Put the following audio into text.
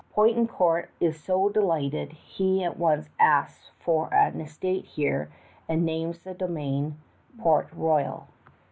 Poutrincourt is so delighted, he at once asks for an estate here and names the domain Port Royal.